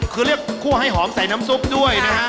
คือเรียกคั่วให้หอมใส่น้ำซุปด้วยนะฮะ